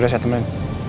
yaudah saya temenin